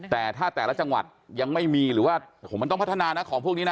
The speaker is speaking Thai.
แต่ถ้าแต่ละจังหวัดยังไม่มีหรือว่ามันต้องพัฒนานะของพวกนี้นะ